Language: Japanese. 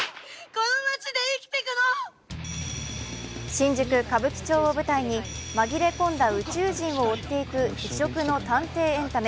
新宿・歌舞伎町を舞台に紛れ込んだ宇宙人を追っていく異色の探偵エンタメ。